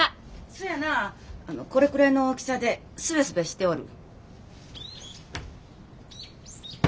そやなあのこれくらいの大きさですべすべしておる。